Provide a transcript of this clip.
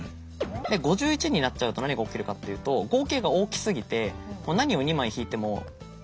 ５１になっちゃうと何が起きるかっていうと合計が大きすぎて何を２枚引いても戻せないんですね。